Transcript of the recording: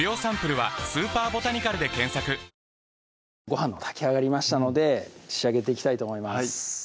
ごはんが炊き上がりましたので仕上げていきたいと思います